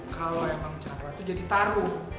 kalau emang cara itu jadi taruh